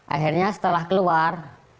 akhirnya setelah keluar